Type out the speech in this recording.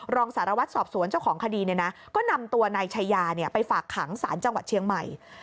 รองสารวัตรสอบสวนเจ้าของคดีก็นำตัวนายชายาไปฝากขังสารจังหวัดเชียงใหม่